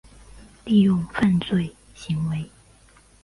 利用犯罪行为